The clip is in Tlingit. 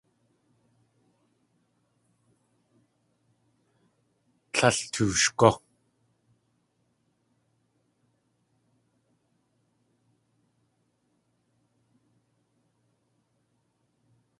Tlél tooshgú.